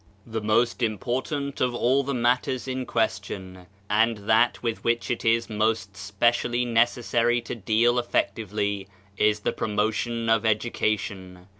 The most important of all the matters in ques tion, and that with which it is most specially necessary to deal effectively, is the promotion of education.